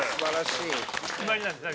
決まりなんですか？